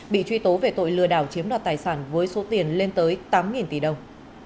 bị truy tố về tội lừa đảo chiếm đoạt tài sản với số tiền lên tới tám tỷ đồng